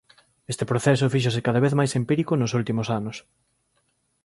Este proceso fíxose cada vez máis empírico nos últimos anos.